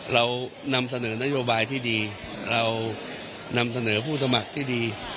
เรานำเสนอนโยบายที่ดีเรานำเสนอผู้สมัครที่ดี